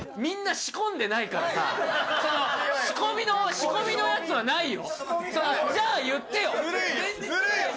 仕込みのやつはないよ。